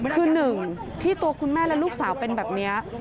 คือหนึ่งที่ตัวคุณแม่และลูกสาวเป็นแบบนี้